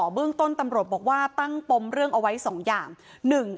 เบื้องต้นตำรวจบอกว่าตั้งปมเรื่องเอาไว้๒อย่าง